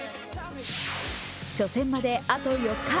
初戦まで、あと４日。